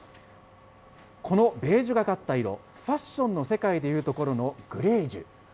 このベージュがかった色、ファッションの世界でいうところのグレージュ。